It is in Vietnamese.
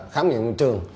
khám nghiệm trường